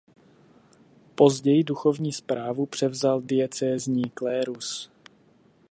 Později duchovní správu převzal diecézní klérus.